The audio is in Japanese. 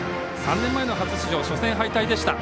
３年前の初出場は初戦敗退でした。